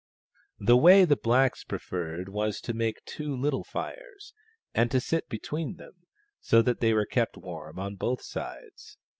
The way the blacks preferred was to make two little fires, and to sit between them, so that they were kept warm on both sides.